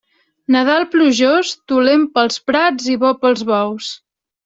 Nadal plujós, dolent per als prats i bo per als bous.